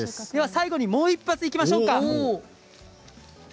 最後にもう一発、いきましょうか。